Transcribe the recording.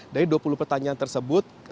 dari dua puluh pertanyaan tersebut